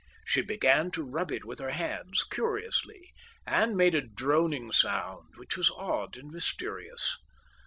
She began to rub it with her hands, curiously, and made a droning sound, which was odd and mysterious.